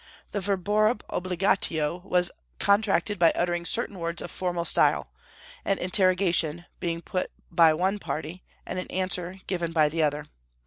The verborum obligatio was contracted by uttering certain words of formal style, an interrogation being put by one party, and an answer given by the other.